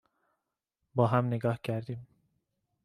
با هم نگاه کردیم